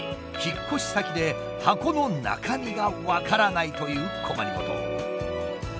引っ越し先で箱の中身が分からないという困り事。